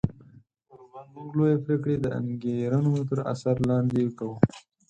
موږ لویې پرېکړې د انګېرنو تر اثر لاندې کوو